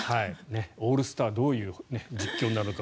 オールスターどういう実況になるのか